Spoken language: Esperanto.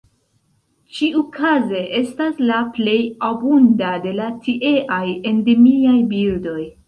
Ĉiukaze estas la plej abunda de la tieaj endemiaj birdoj.